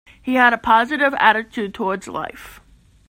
He had a positive attitude towards life.